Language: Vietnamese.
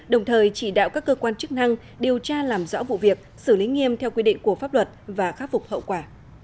đồng thời chỉ đạo các cơ quan chức năng điều tra làm rõ vụ việc xử lý nghiêm theo quy định của pháp luật và khắc phục hậu quả